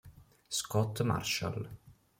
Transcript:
Scott Marshall